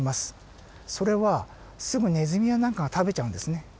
それはすぐネズミや何かが食べちゃうんですね。